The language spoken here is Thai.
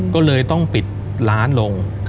ก็เลยต้องปิดร้านลง